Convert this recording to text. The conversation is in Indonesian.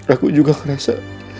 aku juga ngerasa